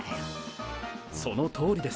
そのとおりです。